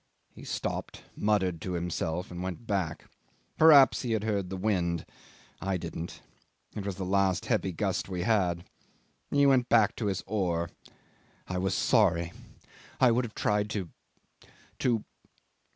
He stopped, muttered to himself, and went back. Perhaps he had heard the wind. I didn't. It was the last heavy gust we had. He went back to his oar. I was sorry. I would have tried to to